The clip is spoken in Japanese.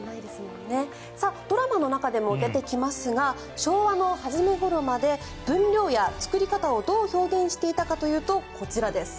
ドラマの中でも出てきますが昭和の初めごろまで分量や作り方をどう表現していたかというとこちらです。